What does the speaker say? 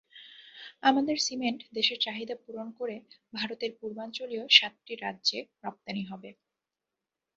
আমাদের সিমেন্ট দেশের চাহিদা পূরণ করে ভারতের পূর্বাঞ্চলীয় সাতটি রাজ্যে রপ্তানি হবে।